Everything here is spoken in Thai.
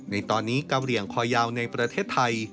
ในตอนนี้กะเหลี่ยงคอยาวในประเทศไทย